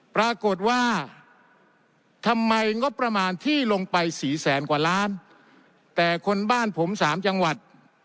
ปรากฏว่าทำไมงบประมาณที่ลงไปสี่แสนกว่าล้านแต่คนบ้านผมสามจังหวัด